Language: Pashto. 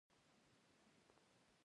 په دې کې د اومو موادو ارزښت هم شامل دی